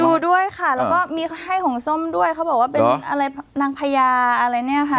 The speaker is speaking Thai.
อยู่ด้วยค่ะแล้วก็มีให้ของส้มด้วยเขาบอกว่าเป็นอะไรนางพญาอะไรเนี่ยค่ะ